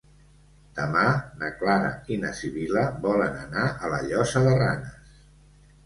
Demà na Clara i na Sibil·la volen anar a la Llosa de Ranes.